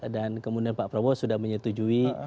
dan kemudian pak prabowo sudah menyetujui